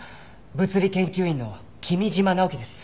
物理研究員の君嶋直樹です。